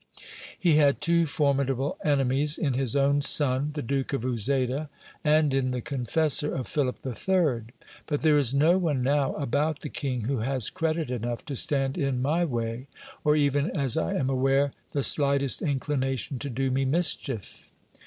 He had two formidable enemies in his own son, the Duke of Uzeda, and in the confessor of Philip the Third : but there is no one now about the king who has credit enough to stand in my way, or even, as I am aware, the slightest inclination to do me mischief.